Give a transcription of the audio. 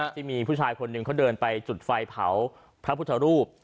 ที่มีผู้ชายคนหนึ่งเขาเดินไปจุดไฟเผาพระพุทธรูป